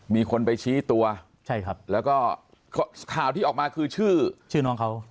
มีคนไปชี้ตัวใช่ครับแล้วก็ข่าวที่ออกมาคือชื่อชื่อน้องเขา